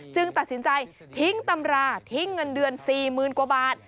ตัดสินใจทิ้งตำราทิ้งเงินเดือน๔๐๐๐กว่าบาท